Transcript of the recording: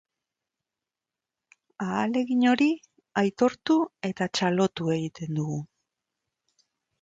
Ahalegin hori aitortu eta txalotu egiten dugu.